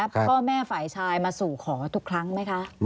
พ่อแม่ฝ่ายชายมาสู่ขอทุกครั้งไหมคะ